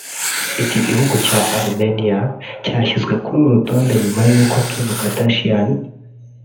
Iki gihugu cya Armenia cyashyizwe kuri uru rutonde nyuma y’uko Kim Kardashian